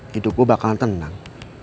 hidup gue bakalan tenang